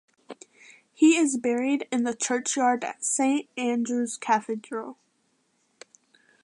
He is buried in the churchyard at St Andrews Cathedral.